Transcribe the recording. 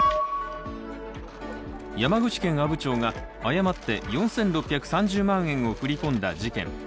山口県阿武町が誤って４６３０万円を振り込んだ事件。